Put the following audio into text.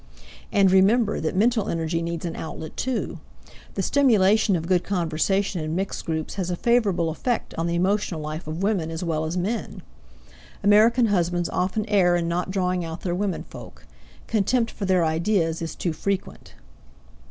And remember that mental energy needs an outlet, too. The stimulation of good conversation in mixed groups has a favorable effect on the emotional life of women as well as men. American husbands often err in not drawing out their womenfolk; contempt for their ideas is too frequent.